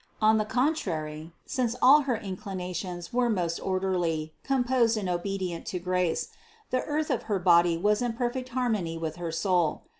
On the contrary, since all her inclina tions were most orderly, composed and obedient to grace, the earth of her body was in perfect harmony with her soul.